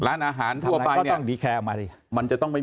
ร้านอาหารทั่วไปต้องรีแคลมั้ยมันจะต้องมี